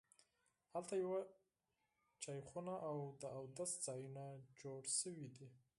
هلته یوه چایخانه او د اودس ځایونه جوړ شوي دي.